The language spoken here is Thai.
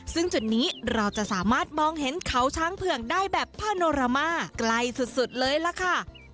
ซึ่งจุดนี้เราจะสามารถมองเห็นเขาช้างเผือกได้แบบผ้าโนรามาใกล้สุดเลยล่ะค่ะ